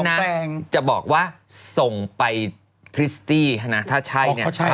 อย่างนั้นนะจะบอกว่าส่งไปทริสตี้ถ้าใช่เนี่ย